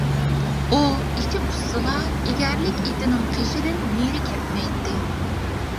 ئۇ ئىچى پۇشسىلا ئېگەرلىك ئېتىنىڭ قېشىدىن نېرى كەتمەيتتى.